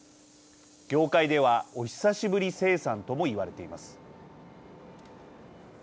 業界では「お久しぶり生産」とも言われています。